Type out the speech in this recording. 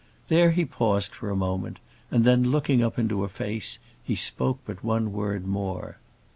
There he paused for a moment, and then looking up into her face, he spoke but one word more.